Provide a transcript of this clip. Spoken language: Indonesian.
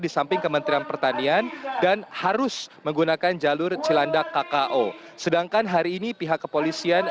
disamping kementerian pertanian dan harus menggunakan jalur cilanda kko sedangkan hari ini pihak kepolisian